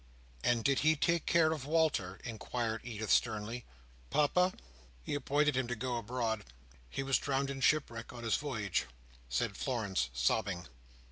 "And did he take care of Walter?" inquired Edith, sternly. "Papa? He appointed him to go abroad. He was drowned in shipwreck on his voyage," said Florence, sobbing.